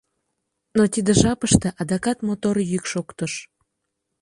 Но тиде жапыште адакат мотор йӱк шоктыш.